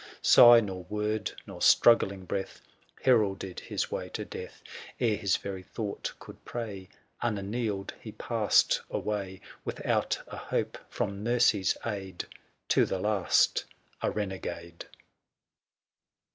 5 Sigh, nor word, nor struggling breath Heralded his way to death : Ere his very thought could pray, Unanealed he passed away, Without a hope from mercy's aid,— 850 To the last a renegade.